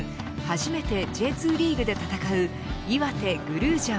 初めてＪ２リーグで戦ういわてグルージャ